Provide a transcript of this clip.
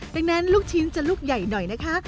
ดังนั้นลูกชิ้นจะลูกใหญ่หน่อยนะคะ